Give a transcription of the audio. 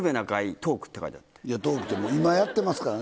トークって、今やってますからね。